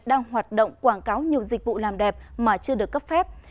đang hoạt động quảng cáo nhiều dịch vụ làm đẹp mà chưa được cấp phép